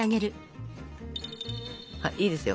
あいいですよ。